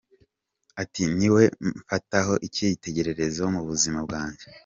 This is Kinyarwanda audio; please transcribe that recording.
Ati “Ni we mfataho icyitegererezo mu buzima bwanjye.